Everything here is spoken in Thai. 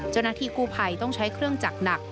จนนักที่กู้ไผ่ต้องใช้เครื่องจักรหนัก